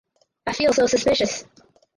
I feel so suspicious.